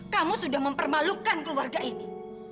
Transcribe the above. kamu sudah mempermalukan keluarga ini